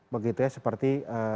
begitu ya seperti